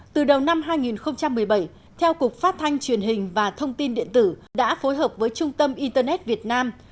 từ đầu năm hai nghìn một mươi bảy theo cục phát thanh truyền hình và thông tin điện tử đã phối hợp với trung tâm internet việt nam